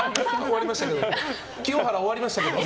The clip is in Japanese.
清原、終わりましたけど？